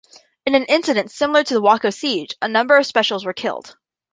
In an incident similar to the Waco Siege, a number of Specials were killed.